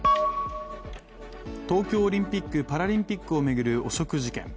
東京オリンピック・パラリンピックを巡る汚職事件。